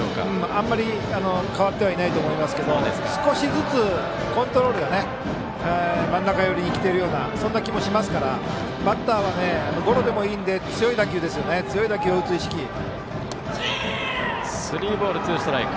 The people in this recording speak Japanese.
あまり変わってはいないと思いますが少しずつ、コントロールが真ん中寄りに来てるようなそんな気もしますからバッターはゴロでもいいので強い打球を打つ意識で。